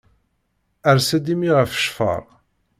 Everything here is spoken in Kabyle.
Ers-d i mmi ɣef ccfer.